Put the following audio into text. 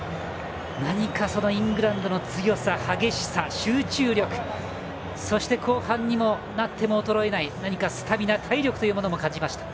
何か、イングランドの強さ、激しさ、集中力そして、後半になっても衰えないスタミナ、体力も感じました。